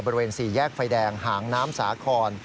บริเวณสี่แยกไฟแดงหางน้ำสาคร